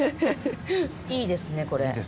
いいですねこれ。